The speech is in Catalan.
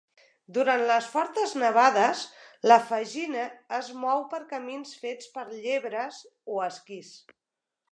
Durant les fortes nevades, la fagina es mou per camins fets per llebres o esquís.